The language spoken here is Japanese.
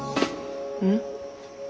うん？